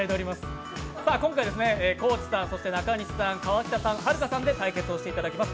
今回、高地さん、中西さん、川北さん、はるかさんで対決をしていただきます。